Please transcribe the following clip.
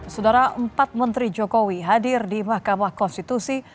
saudara empat menteri jokowi hadir di mahkamah konstitusi